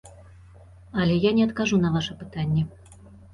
Але я не адкажу на ваша пытанне.